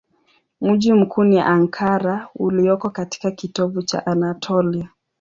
Mji mkuu ni Ankara ulioko katika kitovu cha Anatolia.